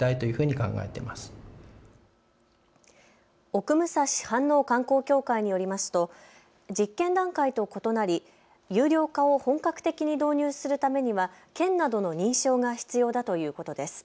奥むさし飯能観光協会によりますと実験段階と異なり有料化を本格的に導入するためには県などの認証が必要だということです。